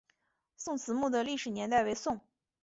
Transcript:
宋慈墓的历史年代为宋。